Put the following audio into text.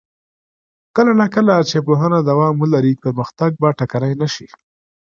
کله نا کله چې پوهنه دوام ولري، پرمختګ به ټکنی نه شي.